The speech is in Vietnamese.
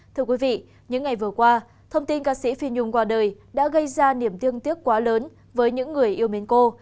thưa quý vị những ngày vừa qua thông tin ca sĩ phi nhung qua đời đã gây ra niềm tin tiếc quá lớn với những người yêu mến cô